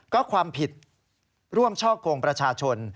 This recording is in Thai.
ก็ความผิดร่วมช่อกงประชาชน